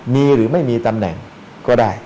มีหรือไม่มีตำแหน่งก็ได้